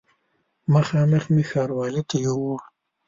مخامخ مې ښاروالي ته یووړ.